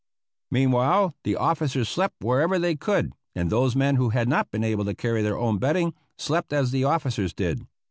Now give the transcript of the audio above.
Meanwhile the officers slept wherever they could, and those men who had not been able to carry their own bedding, slept as the officers did.